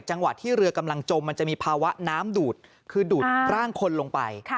จังหวะที่เรือกำลังจมมันจะมีภาวะน้ำดูดคือดูดร่างคนลงไป